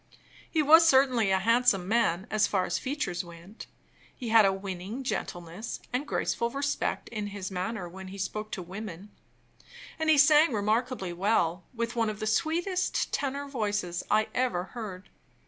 He was certainly a handsome man as far as features went; he had a winning gentleness and graceful respect in his manner when he spoke to women; and he sang remarkably well, with one of the sweetest tenor voices I ever heard.